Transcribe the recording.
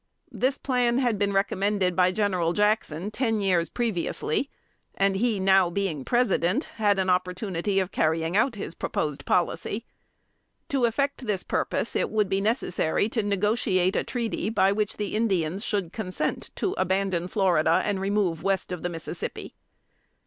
This plan had been recommended by General Jackson ten years previously, and he now being President, had an opportunity of carrying out his proposed policy. To effect this purpose, it would be necessary to negotiate a treaty by which the Indians should consent to abandon Florida and remove west of the Mississippi.